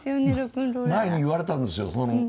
前に言われたんですよ。